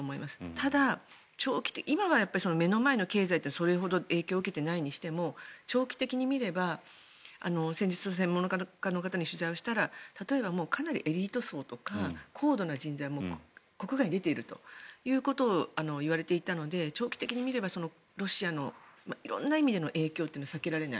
ただ、今は目の前の経済ってそれほど影響を受けてないにしても長期的に見れば先日、専門家の方に取材をしたら例えば、かなりエリート層とか高度な人材も国外に出ているということを言われていたので長期的に見れば、ロシアの色んな意味での影響というのは避けられない。